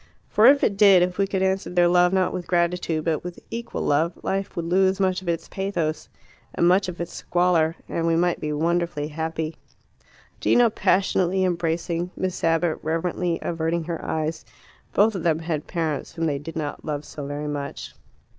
For if it did, if we could answer their love not with gratitude but with equal love, life would lose much of its pathos and much of its squalor, and we might be wonderfully happy. Gino passionately embracing, Miss Abbott reverently averting her eyes both of them had parents whom they did not love so very much.